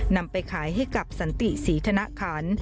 นำไปขายให้กับสันติศรีธนคัน